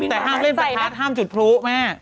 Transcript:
แต่หล่ามเล่นประทัดหล่ามจุดผู้แม่